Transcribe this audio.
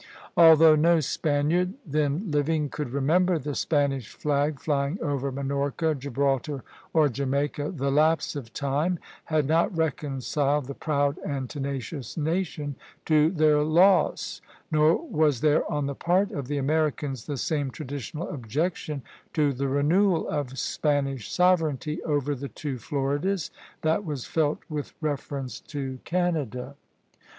Although no Spaniard then living could remember the Spanish flag flying over Minorca, Gibraltar, or Jamaica, the lapse of time had not reconciled the proud and tenacious nation to their loss; nor was there on the part of the Americans the same traditional objection to the renewal of Spanish sovereignty over the two Floridas that was felt with reference to Canada.